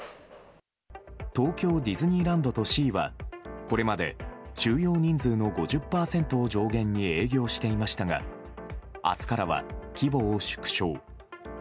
東京ディズニーランドとシーはこれまで収容人数の５０％を上限に営業していましたが明日からは規模を縮小。